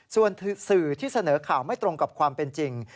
ส่วนสื่อที่เสนอข่าวไม่ตรงกับความเป็นจริง